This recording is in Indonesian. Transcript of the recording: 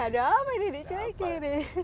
ada apa ini dicuekin